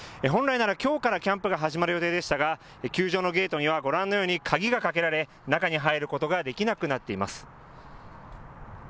本来ならきょうからキャンプが始まる予定でしたが、球場のゲートにはご覧のように鍵がかけられ、中に入ることができなくなっています。